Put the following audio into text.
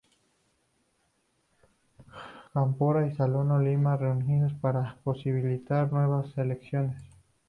Cámpora y Solano Lima renuncian para posibilitar nuevas elecciones.